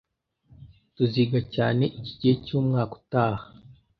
Tuziga cyane iki gihe cyumwaka utaha